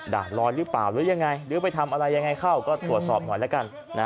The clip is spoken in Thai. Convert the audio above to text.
ด่านลอยหรือเปล่าหรือยังไงหรือไปทำอะไรยังไงเข้าก็ตรวจสอบหน่อยแล้วกัน